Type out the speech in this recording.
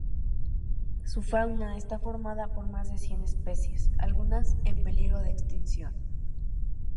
Su fauna está formada por más de cien especies, algunas en peligro de extinción.